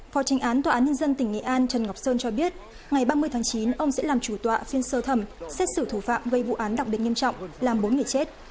phó tranh án tòa án nhân dân tỉnh nghệ an trần ngọc sơn cho biết ngày ba mươi tháng chín ông sẽ làm chủ tọa phiên sơ thẩm xét xử thủ phạm gây vụ án đặc biệt nghiêm trọng làm bốn người chết